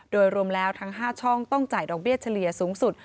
โดยรวมแล้วทั้ง๕ช่องต้องจ่ายดอกเบี้ยเฉลี่ยสูงสุด